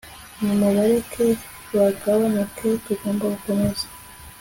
nimubareke bagabanuke Tugomba gukomeza